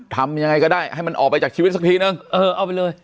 ทำยังไงก็ได้ให้มันออกไปจากชีวิตสักทีนึงเออเอาไปเลย